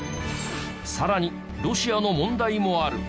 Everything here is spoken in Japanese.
さらにロシアの問題もある。